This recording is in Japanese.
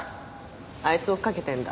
あいつ追っかけてんだ？